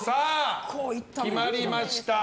決まりました。